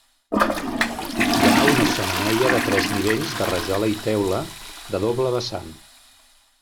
Hi ha una xemeneia de tres nivells de rajola i teula, de doble vessant.